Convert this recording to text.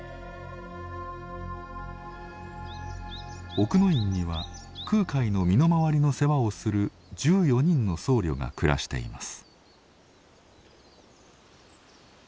奥之院には空海の身の回りの世話をする１４人の僧侶が暮らしています。